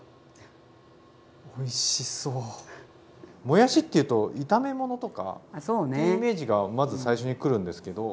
もやしっていうと炒め物とかっていうイメージがまず最初にくるんですけど。